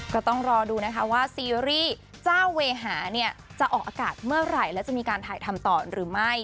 ก็ต้องรอดูนะคะว่าซีรีส์เจ้าเวหาเนี่ยจะออกอากาศเมื่อไหร่และจะมีการถ่ายทำต่อหรือไม่